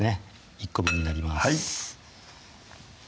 １個分になります